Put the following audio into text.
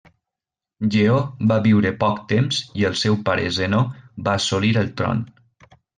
Lleó va viure poc temps i el seu pare Zenó va assolir el tron.